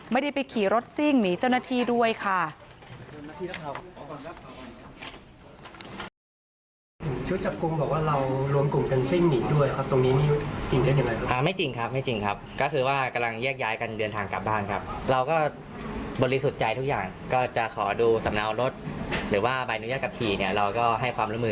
ไม่ได้ไปขี่รถซิ่งหนีเจ้าหน้าที่ด้วยค่ะ